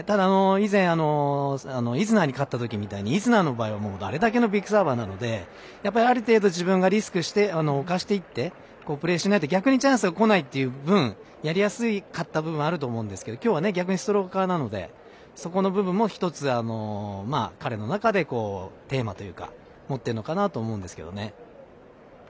以前、イズナーに勝ったときみたいにイズナーの場合はあれだけのビッグサーバーなのでやっぱり、ある程度自分がリスクを冒していってプレーしないと逆にチャンスがこないという分やりやすかった部分あると思うんですけど今日は逆にストローカーなのでそこの部分も一つ彼の中でテーマというか持ってるのかなと思うんですけどね。